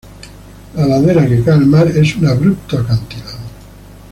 La ladera que cae al mar es un abrupto acantilado.